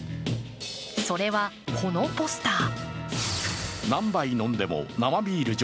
それはこのポスター。